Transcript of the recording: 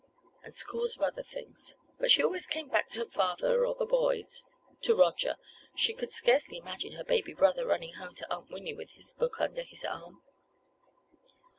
—and scores of other things. But she always came back to her father or the boys—to Roger—she could scarcely imagine her baby brother running home to Aunt Winnie with his book under his arm.